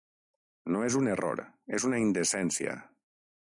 No és un error, és una indecència.